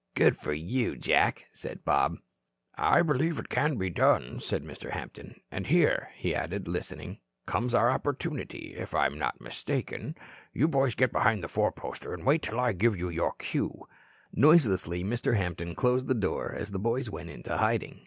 "Good for you, Jack," said Bob. "I believe it can be done," said Mr. Hampton. "And here," he added, listening, "comes our opportunity, if I am not mistaken. You boys get behind the four poster and wait until I give you your cue." Noiselessly Mr. Hampton closed the door, as the boys went into hiding.